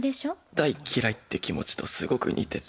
大嫌いって気持ちとすごく似てて。